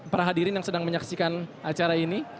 para hadirin yang sedang menyaksikan acara ini